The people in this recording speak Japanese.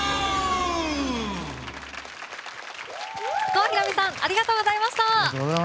郷ひろみさんありがとうございました。